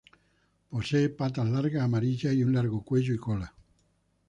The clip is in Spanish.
Posee patas largas amarillas y un largo cuello y cola.